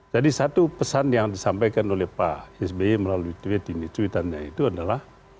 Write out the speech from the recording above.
jadi satu pesan yang disampaikan oleh pak sby melalui tweet ini tweetannya itu adalah